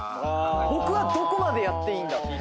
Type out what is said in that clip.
僕はどこまでやっていいんだ？とか。